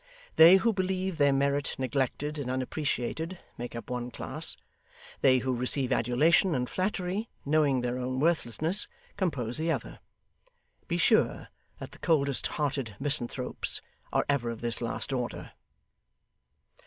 They who believe their merit neglected and unappreciated, make up one class; they who receive adulation and flattery, knowing their own worthlessness, compose the other. Be sure that the coldest hearted misanthropes are ever of this last order.